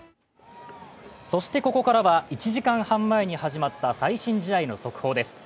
そしてここからは１時間半前に始まった最新試合の速報です。